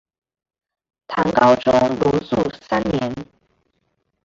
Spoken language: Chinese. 唐高宗龙朔三年。